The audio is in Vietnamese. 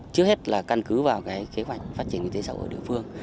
trước hết là căn cứ vào cái kế hoạch phát triển nguyên tế xã hội địa phương